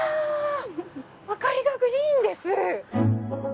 明かりがグリーンです！